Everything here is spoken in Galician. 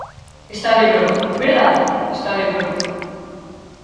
Está de broma, ¿verdade?, está de broma.